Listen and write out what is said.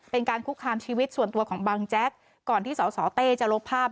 เป็นการคุกคามชีวิตส่วนตัวของบังแจ๊กก่อนที่สสเต้จะลบภาพ